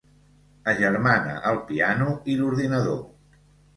Agermana el piano i l'ordinador.